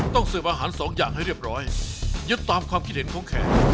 เสิร์ฟอาหารสองอย่างให้เรียบร้อยยึดตามความคิดเห็นของแขก